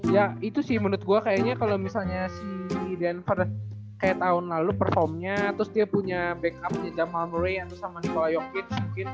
ya itu sih menurut gue kayaknya kalo misalnya si danford kayak tahun lalu performnya terus dia punya backupnya jamal murray terus sama nicola jokic